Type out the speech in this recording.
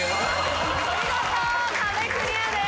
見事壁クリアです。